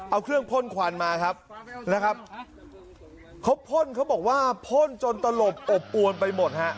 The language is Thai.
เอาเครื่องพ่นควันมาครับนะครับเขาพ่นเขาบอกว่าพ่นจนตลบอบอวนไปหมดฮะ